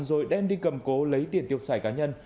rồi đem đi cầm cố lấy tiền tiêu xài cá nhân